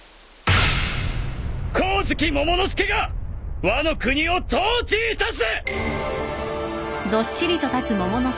光月モモの助がワノ国を統治いたす！